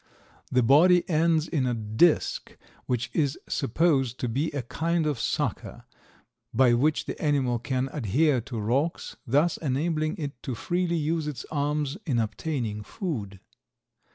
The body ends in a disk which is supposed to be a kind of sucker, by which the animal can adhere to rocks, thus enabling it to freely use its arms in obtaining food.